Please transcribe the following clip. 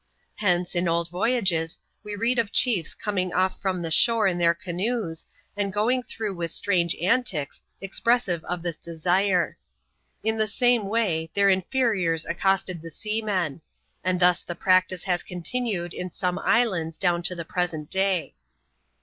Hence, in old voyages we read of chiefs coming off from the shore in their canoes, and going through with strange antics, expressive of this desire. In the same way, their inferiors accosted the seamen ; and thus the practice has continued in some islands down to the present day.